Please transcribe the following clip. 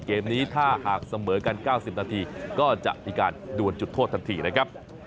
เกมนี้ถ้าหากเสมอกัน๙๐นาทีก็จะมีการดวนจุดโทษทันทีนะครับ